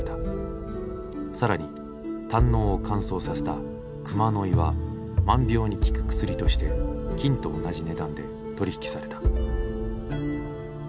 更に胆のうを乾燥させた「熊の胆」は万病に効く薬として金と同じ値段で取り引きされた。